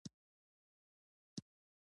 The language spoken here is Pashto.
دا کوریډور روسیه او هند نښلوي.